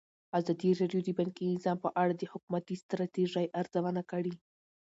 ازادي راډیو د بانکي نظام په اړه د حکومتي ستراتیژۍ ارزونه کړې.